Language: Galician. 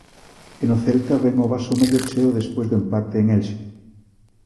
E no Celta ven o vaso medio cheo despois do empate en Elxe.